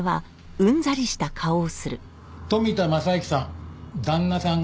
富田正之さん